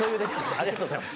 ありがとうございます。